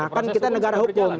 kan kita negara hukum